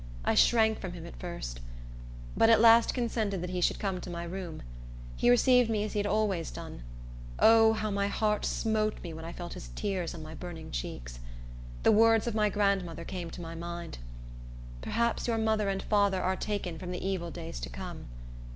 I shrank from him at first; but at last consented that he should come to my room. He received me as he always had done. O, how my heart smote me when I felt his tears on my burning cheeks! The words of my grandmother came to my mind,—"Perhaps your mother and father are taken from the evil days to come."